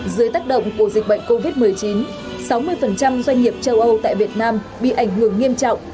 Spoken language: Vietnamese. dưới tác động của dịch bệnh covid một mươi chín sáu mươi doanh nghiệp châu âu tại việt nam bị ảnh hưởng nghiêm trọng